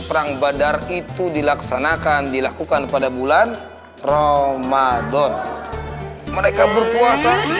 perang badar itu dilaksanakan dilakukan pada bulan ramadan mereka berpuasa di